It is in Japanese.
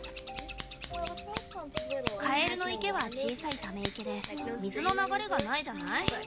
カエルの池は小さいため池で水の流れがないじゃない？